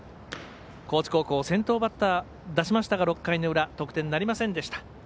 高知高校先頭バッター出しましたが６回の裏、得点なりませんでした。